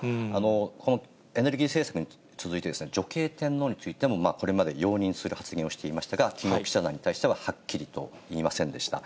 このエネルギー政策に続いて、女系天皇についても、これまでに容認する発言をしていましたが、きのう、記者団に対しては、はっきりと言いませんでした。